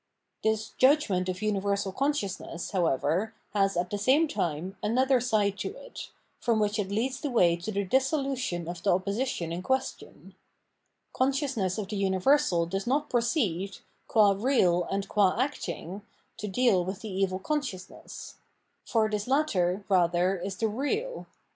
This judgment [of umversal consciousness], however, has, at the same time, another side to it, from which it leads the way to the dissolution of the opposition in question. Consciousness of the universal does not proceed, qua red and qua acting, to deal with the evil Evil and Forgiveness 673 consciousness ; for this latter, rather, is the real.